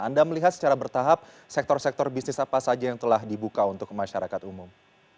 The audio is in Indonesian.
anda melihat secara bertahap sektor sektor bisnis apa saja yang telah dibuka untuk masyarakat umum